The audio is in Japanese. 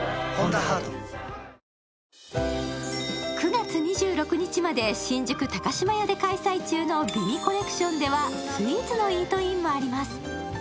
９月２６日まで新宿高島屋で開催中の美味コレクションではスイーツのイートインもあります。